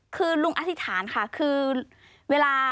คือลุงอธิษฐานค่ะคือเวลา